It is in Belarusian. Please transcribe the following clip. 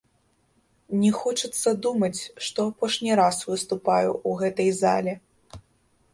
Не хочацца думаць, што апошні раз выступаю ў гэтай зале.